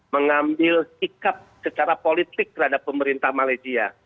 mengambil sikap secara politik terhadap pemerintah malaysia